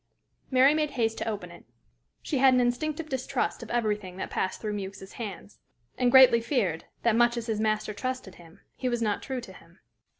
Mary made haste to open it: she had an instinctive distrust of everything that passed through Mewks's hands, and greatly feared that, much as his master trusted him, he was not true to him.